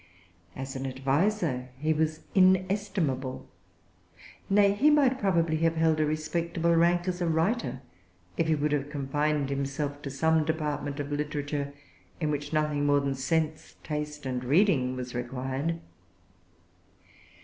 As an adviser he was inestimable. Nay, he might probably have held a respectable rank as a writer, if he would have confined himself to some department of literature in which nothing more than sense, taste, and reading was required.